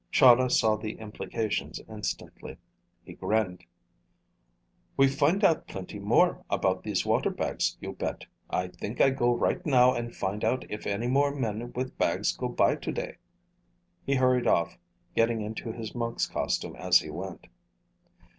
Chahda saw the implications instantly. He grinned. "We find out plenty more about these water bags, you bet! I think I go right now and find out if any more men with bags go by today." He hurried off, getting into his monk's costume as he went.